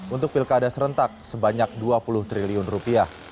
untuk pilkada serentak sebanyak dua puluh triliun rupiah